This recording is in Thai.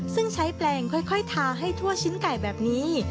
ซึ่งใช้แปลงค่อยทาให้ทั่วชิ้นไก่แบบนี้